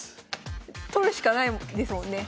取るしかないですもんね。